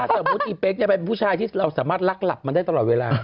สมมุติอีเป๊กเป็นผู้ชายที่เราสามารถลักหลับมันได้ตลอดเวลา